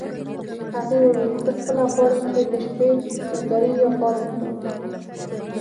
هغې وویل: زه خپله غواړم چې د شپې نوکري یا کار وکړم.